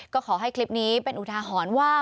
ก็ขอให้คลิปนี้เป็นอุทาหรณ์ว่า